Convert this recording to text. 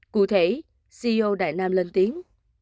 cụ thể ceo đại nam lên tiếng